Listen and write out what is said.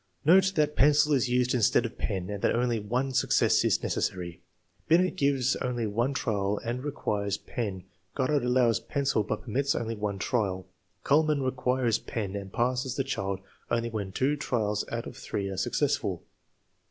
Note that pencil is used instead of pen and that only one success is necessary. Binet gives only one trial and requires pen. Goddard allows pencil, but permits only one trial. Eoihlmann requires pen and passes the child only when two trials out of three are successful.